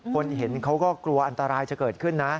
คนเห็นเขาก็กลัวอันตรายจะเกิดขึ้นนะ